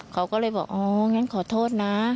เขาก็เลยบอกอ๋องั้นขอโทษนะ